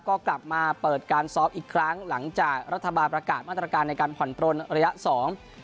ก็กลับมาเปิดการซ้อมอีกครั้งหลังจากรัฐบาลประกาศมาตรการในการผ่อนปลนระยะสอง